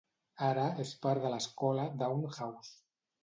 Ara és part de l'escola Downe House.